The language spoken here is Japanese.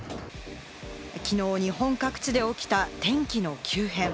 昨日、日本各地で起きた天気の急変。